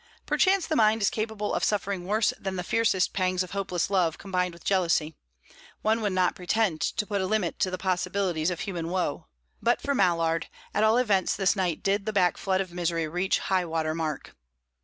Perchance the mind is capable of suffering worse than the fiercest pangs of hopeless love combined with jealousy; one would not pretend to put a limit to the possibilities of human woe; but for Mallard, at all events this night did the black flood of misery reach high water mark.